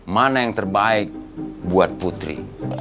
mana yang terbaik buat putri